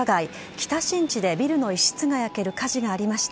北新地でビルの一室が焼ける火事がありました。